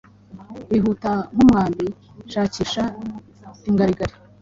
wihuta nkumwambi, Shakisha ingarigari